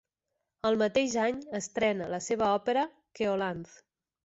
El mateix any, estrena la seva òpera, "Keolanthe".